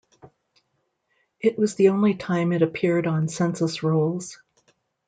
It was the only time it appeared on census rolls.